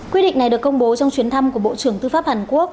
quyết định này được công bố trong chuyến thăm của bộ trưởng tư pháp hàn quốc